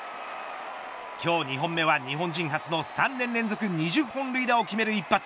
今日２本目は、日本人初の３年連続２０本塁打を決める一発。